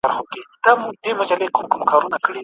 عبدالباري حهاني